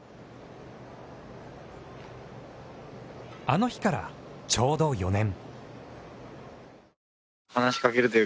あの日から、ちょうど４年。